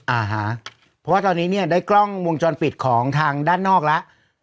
อ่าฮะเพราะว่าตอนนี้เนี่ยได้กล้องวงจรปิดของทางด้านนอกแล้ว